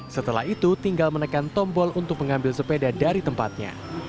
setelah itu tinggal menekan tombol untuk mengambil sepeda dari tempatnya